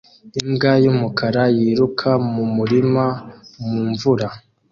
Imbwa y'umukara yiruka mu murima mu mvura